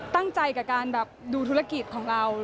ตั้งใจกับการแบบดูธุรกิจของเรา